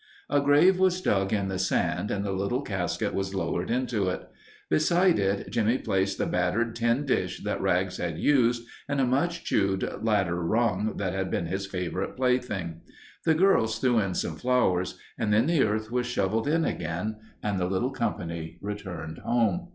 A grave was dug in the sand and the little casket was lowered into it. Beside it Jimmie placed the battered tin dish that Rags had used and a much chewed ladder rung that had been his favorite plaything. The girls threw in some flowers and then the earth was shoveled in again and the little company returned home.